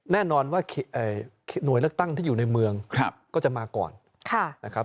แน่นอนว่าหน่วยเลือกตั้งที่อยู่ในเมืองก็จะมาก่อนนะครับ